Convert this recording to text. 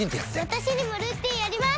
私にもルーティンあります！